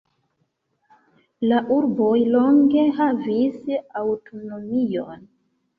La urboj longe havis aŭtonomion.